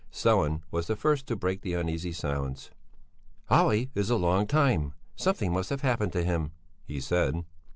Sellén was the first to break the uneasy silence. "Olle is a long time! Something must have happened to him," he said.